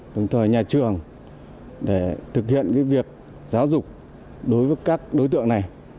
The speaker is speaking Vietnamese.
đồng thời nhà trường để thực hiện việc giáo dục đối với các đối tượng này